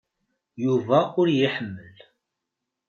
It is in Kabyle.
Yuba ur iyi-iḥemmel.